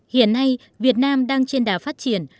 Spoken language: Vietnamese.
hiện nay việt nam đang trên đà phát triển